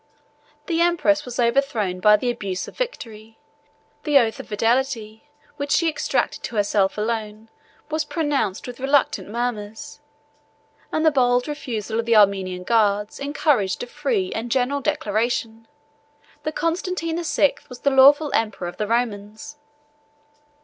The empress was overthrown by the abuse of victory; the oath of fidelity, which she exacted to herself alone, was pronounced with reluctant murmurs; and the bold refusal of the Armenian guards encouraged a free and general declaration, that Constantine the Sixth was the lawful emperor of the Romans.